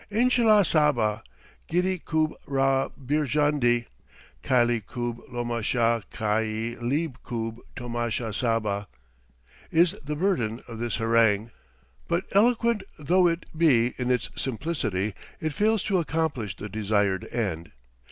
Inshalla saba, gitti koob rah Beerjandi, khylie koob lomasha kh y l ie koob tomasha saba," is the burden of this harangue; but eloquent though it be in its simplicity, it fails to accomplish the desired end.